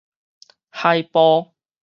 海埔